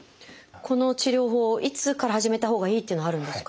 この治療法をいつから始めたほうがいいっていうのはあるんですか？